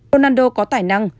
ronaldo có tài năng